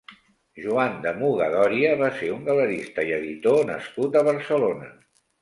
Joan de Muga Dòria va ser un galerista i editor nascut a Barcelona.